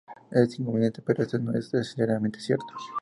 El inconveniente es que esto no es necesariamente cierto.